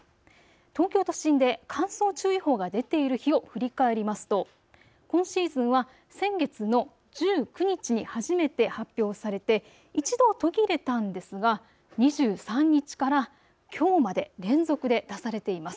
東京都心で乾燥注意報が出ている日を振り返りますと今シーズンは先月の１９日に初めて発表されて一度は途切れたんですが２３日からきょうまで連続で出されています。